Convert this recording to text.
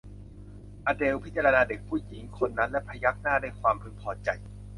อเดลล์พิจารณาเด็กผู้หญิงคนนั้นและพยักหน้าด้วยความพึงพอใจ